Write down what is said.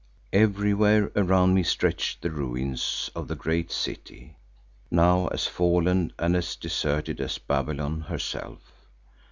Everywhere around me stretched the ruins of the great city, now as fallen and as deserted as Babylon herself.